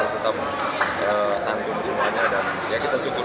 tetap santun semuanya dan ya kita syukur